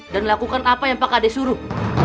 dan lakukan apa yang pak hades suruh